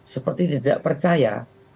seperti tidak percaya